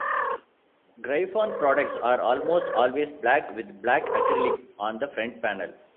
Gryphon products are almost always black, with black acrylic on the front panel.